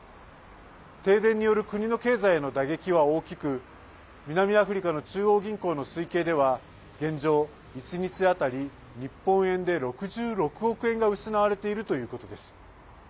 停電による国の経済への打撃は大きく南アフリカの中央銀行の推計では現状、１日当たり日本円で６６億円が失われているということです。